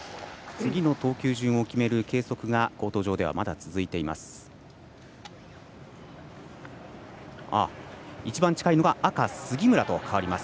次の投球順を決める計測がコート上で続いています。